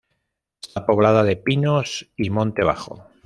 Está poblada de pinos y monte bajo.